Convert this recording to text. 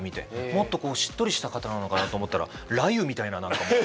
もっとしっとりした方なのかなと思ったら雷雨みたいな何かもう。